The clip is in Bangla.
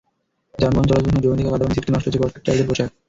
যানবাহন চলাচলের সময় জমে থাকা কাদাপানি ছিটকে নষ্ট হচ্ছে পথচারীদের পোশাক।